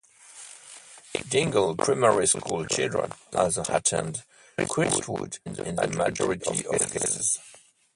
Dingle Primary School children also attend Crestwood in the majority of cases.